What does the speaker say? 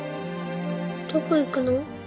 どこ行くの？